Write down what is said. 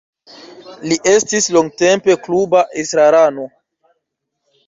Li estis longtempe kluba estrarano.